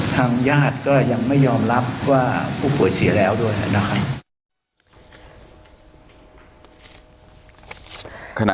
ทางญาติก็ยังไม่ยอมรับว่าผู้ป่วยเสียแล้วด้วยนะครับ